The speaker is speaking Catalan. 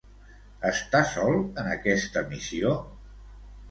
Està sol en aquesta missió?